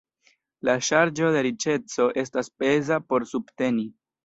La ŝarĝo de riĉeco estas peza por subteni.